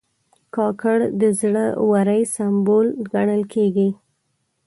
کاکړ د زړه ورۍ سمبول ګڼل کېږي.